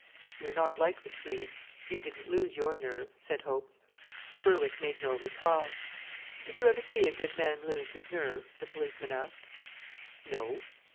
"You're not like the Swede; you didn't lose your nerve," said Hope. Berwick made no reply. "Did you ever see a good man lose his nerve?" the policeman asked. "No."